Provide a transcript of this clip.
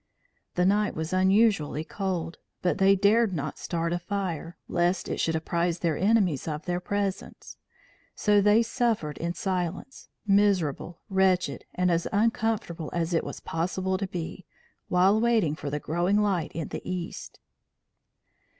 The night was unusually cold, but they dared not start a fire, lest it should apprise their enemies of their presence. So they suffered in silence, miserable, wretched and as uncomfortable as it was possible to be, while watching for the growing light in the east.